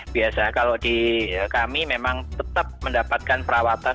biasa kalau di kami memang tetap mendapatkan perawatan